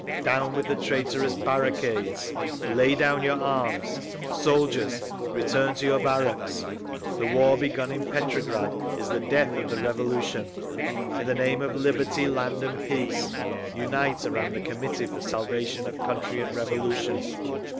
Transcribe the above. Down with the traitorous barricades! Lay down your arms! Soldiers, return to your barracks! The war begun in Petrograd—is the death of the Revolution! In the name of liberty, land, and peace, unite around the Committee for Salvation of Country and Revolution!